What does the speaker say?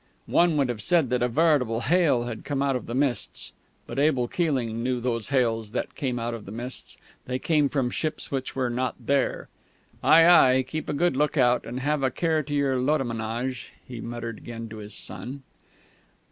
"_ One would have said that a veritable hail had come out of the mists; but Abel Keeling knew those hails that came out of the mists. They came from ships which were not there. "Ay, ay, keep a good look out, and have a care to your lodemanage," he muttered again to his son....